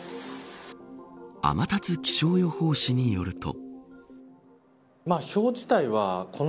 天達気象予報士によると。